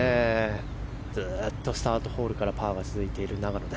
ずっとスタートホールからパーが続いている永野。